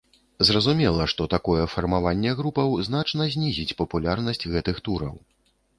Зразумела, што такое фармаванне групаў значна знізіць папулярнасць гэтых тураў.